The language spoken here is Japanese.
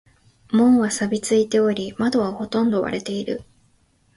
門は錆びついており、窓はほとんど割れている。